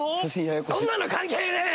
でもそんなの関係ねえ！